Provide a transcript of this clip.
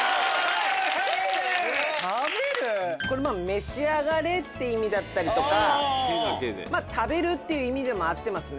「召し上がれ」って意味だったりとか「食べる」っていう意味でも合ってますね。